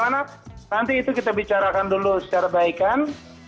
nanti itu kita bicarakan dulu secara baikan